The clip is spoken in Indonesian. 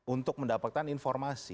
untuk mendapatkan informasi